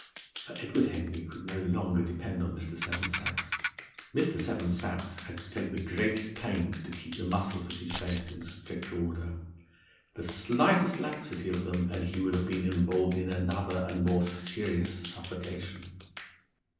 For Edward Henry could no longer depend on Mr. Seven Sachs. Mr. Seven Sachs had to take the greatest pains to keep the muscles of his face in strict order. The slightest laxity with them and he would have been involved in another and more serious suffocation.